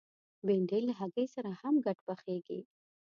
بېنډۍ له هګۍ سره هم ګډ پخېږي